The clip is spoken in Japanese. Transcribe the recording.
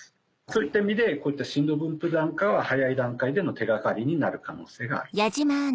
そういった意味でこういった震度分布なんかは早い段階での手掛かりになる可能性があると。